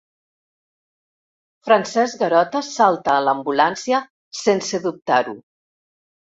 Francesc Garota salta a l'ambulància sense dubtar-ho.